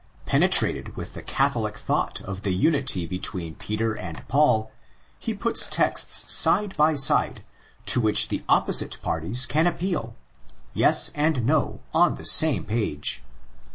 Penetrated with the '' Catholic "' thought of the unity between Peter and Paul, he puts texts side by side to which the opposite parties can appeal—yes and no on the same page.